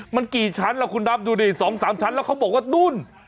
มันกี่ชั้นละคุณดับอยู่นี่๒๓ชั้นแล้วเขาบอกว่านู่น